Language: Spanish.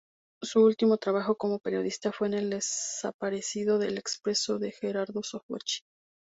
Su último trabajo como periodista fue en el desaparecido El Expreso de Gerardo Sofovich.